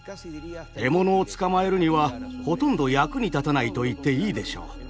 獲物を捕まえるにはほとんど役に立たないと言っていいでしょう。